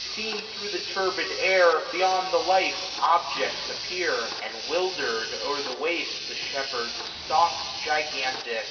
Seen thro' the turbid air, beyond the life Objects appear ; and, wilder'd, o'er the waste The shepherd stalks gigantic.